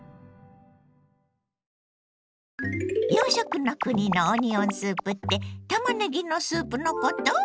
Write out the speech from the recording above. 洋食の国のオニオンスープってたまねぎのスープのこと？